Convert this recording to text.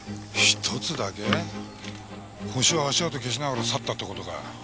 犯人は足跡消しながら去ったって事かよ。